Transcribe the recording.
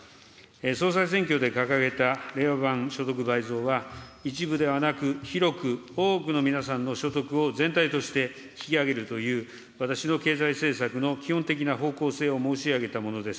総裁選挙で掲げた令和版所得倍増は、一部ではなく、広く多くの皆さんの所得を全体として引き上げるという、私の経済政策の基本的な方向性を申し上げたものです。